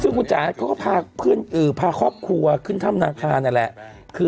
ซึ่งคุณจ๋าเขาก็พาเพื่อนอื่นพาครอบครัวขึ้นท่ามนาคารนั่นแหละคือ